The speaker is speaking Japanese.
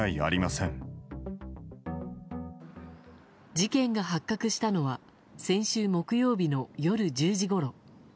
事件が発覚したのは先週木曜日の夜１０時ごろ。